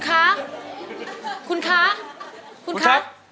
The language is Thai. เอาออกไว้ต้องขายดี